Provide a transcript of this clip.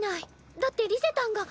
だってリゼたんが。